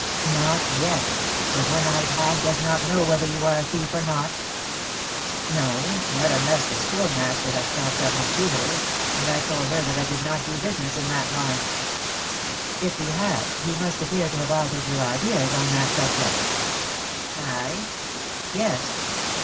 "Not yet; the one eyed hag does not know whether you are a thief or not?" "No, not unless the Schoolmaster has talked of me to her, and told her that I did not do business in that line." "If he have, you must appear to have altered your ideas on that subject." "I?" "Yes."